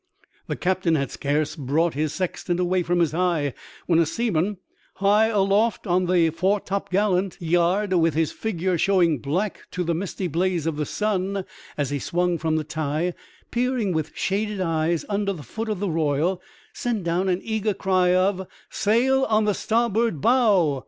The captain had scarce brought his sextant away from his eye when a seaman, high aloft on the foretopgallant yard, with his figure showing black to the misty blaze of the sun as he swung from the tie, peering with shaded eyes under the foot of the royal, sent down an eager cry of *' Sail on the starboard bow